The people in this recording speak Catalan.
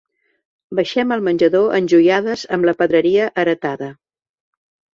Baixem al menjador enjoiades amb la pedreria heretada.